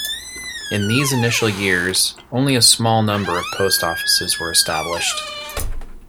In these initial years, only a small number of post offices were established.